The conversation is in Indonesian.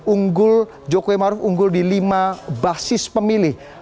unggul jokowi dan maruf di lima basis pemilih